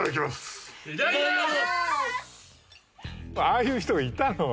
ああいう人がいたの。